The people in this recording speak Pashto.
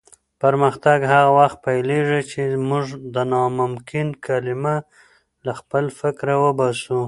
پرمختګ هغه وخت پیلېږي چې موږ د ناممکن کلمه له خپل فکره وباسو.